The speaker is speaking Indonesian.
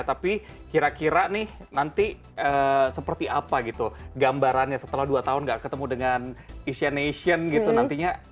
tapi kira kira nih nanti seperti apa gitu gambarannya setelah dua tahun gak ketemu dengan asia nation gitu nantinya